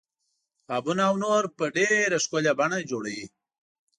غابونه او نور په ډیره ښکلې بڼه جوړوي.